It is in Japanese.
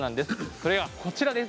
それがこちらです。